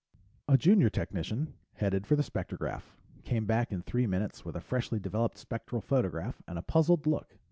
A junior technician headed for the spectrograph, came back in three minutes with a freshly developed spectral photograph and a puzzled look.